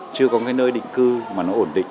chưa có nơi định cư mà nó ổn định